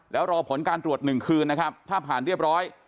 แล้วรอผลการตรวจ๑คืนนะครับถ้าผ่านเรียบร้อย